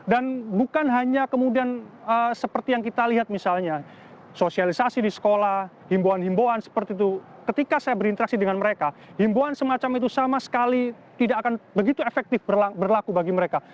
dan bukan hanya kemudian seperti yang kita lihat misalnya sosialisasi di sekolah himboan himboan seperti itu ketika saya berinteraksi dengan mereka himboan semacam itu sama sekali tidak akan begitu efektif berlaku bagi mereka